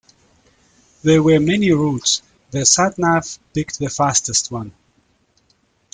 There were many routes, the sat-nav picked the fastest one.